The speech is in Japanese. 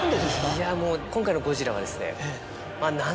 いやもう今回の『ゴジラ』は。